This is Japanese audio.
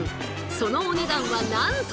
そのお値段はなんと。